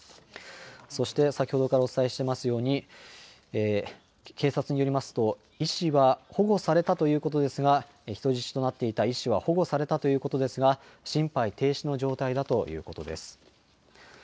そして先ほどからお伝えしていますように、警察によりますと、医師は保護されたということですが、人質となっていた医師は保護されたということですが、心肺停止の状態だということです。